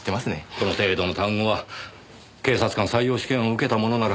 この程度の単語は警察官採用試験を受けた者なら。